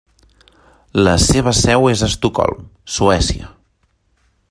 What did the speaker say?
La seva seu és a Estocolm, Suècia.